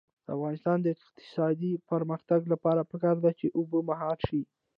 د افغانستان د اقتصادي پرمختګ لپاره پکار ده چې اوبه مهار شي.